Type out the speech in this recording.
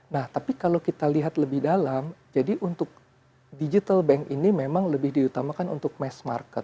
nah tapi kalau kita lihat lebih dalam jadi untuk digital bank ini memang lebih diutamakan untuk mass market